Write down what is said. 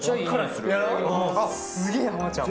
・すげえハマちゃん